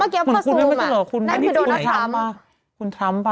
เมื่อกี้พอซูมน่ะนั่นคือโดนาทรัมป่ะคุณทรัมป่ะ